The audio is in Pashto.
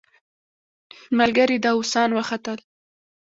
ملګري داووسان وختل.